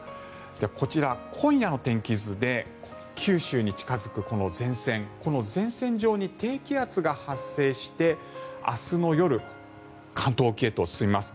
こちら、今夜の天気図で九州に近付くこの前線、この前線上に低気圧が発生して明日の夜、関東沖へと進みます。